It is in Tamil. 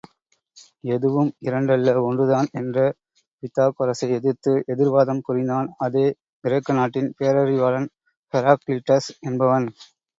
எதுவும் இரண்டல்ல ஒன்றுதான் என்ற பிதாகொரசை எதிர்த்து எதிர்வாதம் புரிந்தான் அதே கிரேக்க நாட்டின் பேரறிவாளன் ஹெராக்ளிட்டஸ் என்பவன்!